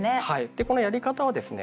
でこのやり方はですね